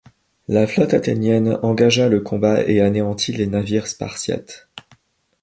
La flotte athénienne engagea le combat et anéantit les navires spartiates.